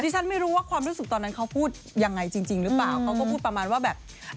ที่ฉันไม่รู้ว่าความรู้สึกตอนนั้นเขาพูดอย่างไรจริงหรือเปล่า